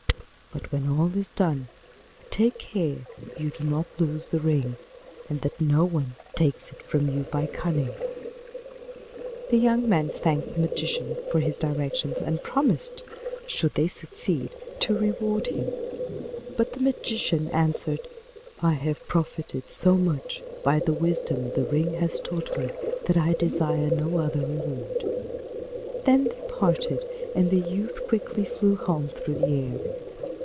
But when all is done, take care you do not lose the ring, and that no one takes it from you by cunning.' [Illustration: The youth secures the dragon] The young man thanked the magician for his directions, and promised, should they succeed, to reward him. But the magician answered, 'I have profited so much by the wisdom the ring has taught me that I desire no other reward.' Then they parted, and the youth quickly flew home through the air.